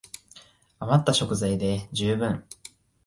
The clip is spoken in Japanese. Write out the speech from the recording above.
あまった食材で充分